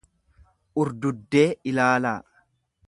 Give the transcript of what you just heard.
urduddee ilaalaa.